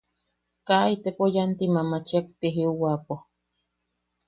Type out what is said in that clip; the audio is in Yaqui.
Kaa itepo yanti mamachiak ti jiuwapo.